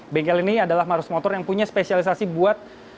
bengkel ini adalah marus motor yang punya spesialisasi buat